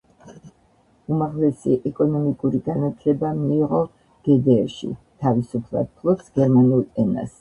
უმაღლესი ეკონომიკური განათლება მიიღო გდრ-ში, თავისუფლად ფლობს გერმანულ ენას.